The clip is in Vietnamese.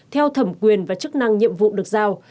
theo thẩm quyền và chức năng nhiệm vụ được giao